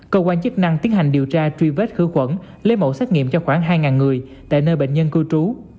cơ quan chức năng tiến hành điều tra truy vết khử khuẩn lấy mẫu xét nghiệm cho khoảng hai người tại nơi bệnh nhân cư trú